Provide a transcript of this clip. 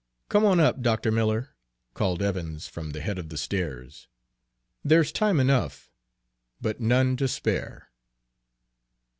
"Come on up, Dr. Miller," called Evans from the head of the stairs. "There's time enough, but none to spare."